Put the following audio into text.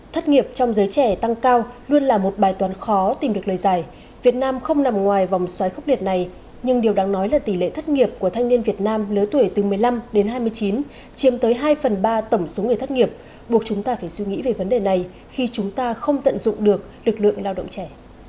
thất nghiệp trong giới trẻ tăng cao luôn là một bài toán khó tìm được lời giải việt nam không nằm ngoài vòng xoáy khốc liệt này nhưng điều đáng nói là tỷ lệ thất nghiệp của thanh niên việt nam lứa tuổi từ một mươi năm đến hai mươi chín chiếm tới hai phần ba tổng số người thất nghiệp buộc chúng ta phải suy nghĩ về vấn đề này khi chúng ta không tận dụng được lực lượng lao động trẻ